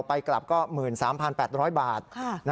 ไปกลับก็๑๓๘๐๐บาท